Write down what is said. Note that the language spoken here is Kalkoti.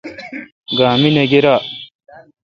گا می نہ گیرا۔